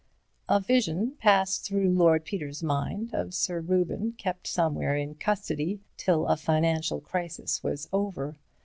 A vision passed through Lord Peter's mind of Sir Reuben kept somewhere in custody till a financial crisis was over.